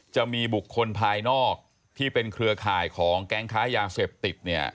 จะมีบุคคลภายนอกที่เป็นเครือข่ายของแก๊งค้ายาเสพติดเนี่ย